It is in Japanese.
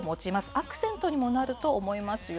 アクセントにもなると思いますよ。